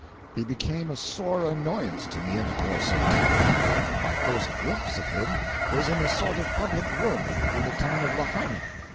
He became a sore annoyance to me in the course of time. My first glimpse of him was in a sort of public room in the town of Lahaina.